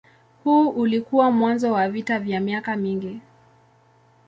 Huu ulikuwa mwanzo wa vita vya miaka mingi.